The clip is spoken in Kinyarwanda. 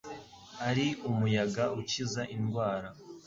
Uri umuyaga ukiza indwara